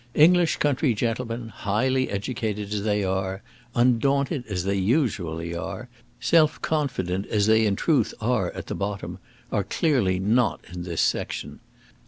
English country gentlemen, highly educated as they are, undaunted as they usually are, self confident as they in truth are at the bottom, are clearly not in this section.